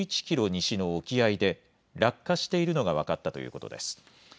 西の沖合で落下しているのが分かったということです。